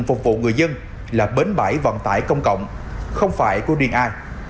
hạ tường phục vụ người dân là bến bãi vận tải công cộng không phải cô riêng ai